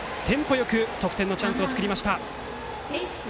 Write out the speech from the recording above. よく得点のチャンスを作りました。